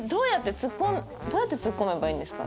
どうやってツッコめばいいんですか？